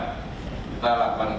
kita lakukan itu pak